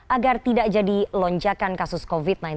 agar tidak jadi lonjakan kasus covid sembilan belas